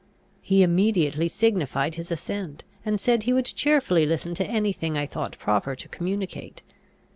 He immediately signified his assent, and said he would cheerfully listen to any thing I thought proper to communicate.